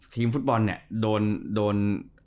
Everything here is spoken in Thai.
ทีมฟุตบอลเนี่ยโดน